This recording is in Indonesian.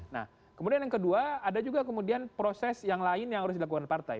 nah kemudian yang kedua ada juga kemudian proses yang lain yang harus dilakukan partai